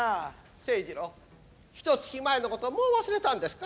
清二郎ひとつき前のこともう忘れたんですか。